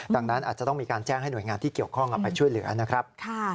ดังนั้นอาจจะต้องมีการแจ้งให้หน่วยงานที่เกี่ยวข้องไปช่วยเหลือนะครับ